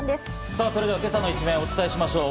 さあ、それでは今朝の一面をお伝えしましょう。